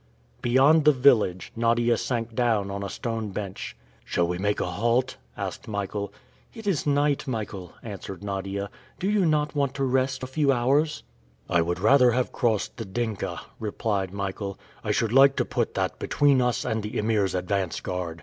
Beyond the village, Nadia sank down on a stone bench. "Shall we make a halt?" asked Michael. "It is night, Michael," answered Nadia. "Do you not want to rest a few hours?" "I would rather have crossed the Dinka," replied Michael, "I should like to put that between us and the Emir's advance guard.